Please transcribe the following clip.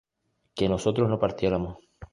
que nosotros no partiéramos